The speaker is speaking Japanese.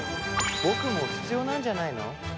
僕も必要なんじゃないの？